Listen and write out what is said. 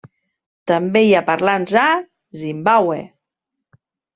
També hi ha parlants a Zimbàbue.